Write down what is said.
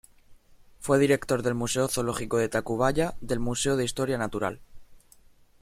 Fue director del Museo Zoológico de Tacubaya del Museo de Historia Natural.